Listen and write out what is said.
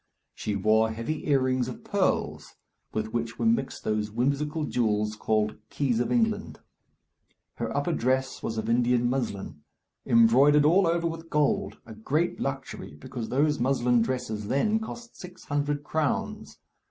She wore heavy earrings of pearls, with which were mixed those whimsical jewels called "keys of England." Her upper dress was of Indian muslin, embroidered all over with gold a great luxury, because those muslin dresses then cost six hundred crowns.